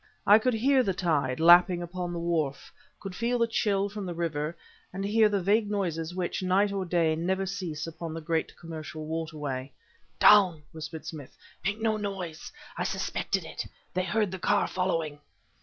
I could hear the tide, lapping upon the wharf, could feel the chill from the river and hear the vague noises which, night nor day, never cease upon the great commercial waterway. "Down!" whispered Smith. "Make no noise! I suspected it. They heard the car following!"